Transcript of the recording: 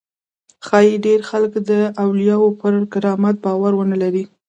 ښایي ډېر خلک د اولیاوو پر کرامت باور ونه لري.